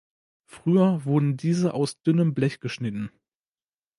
Früher wurden diese aus dünnem Blech geschnitten.